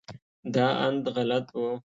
دا اند غلط و.